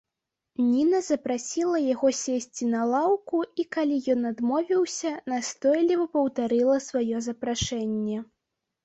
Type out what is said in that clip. Ніна запрасіла яго сесці на лаўку і, калі ён адмовіўся, настойліва паўтарыла сваё запрашэнне.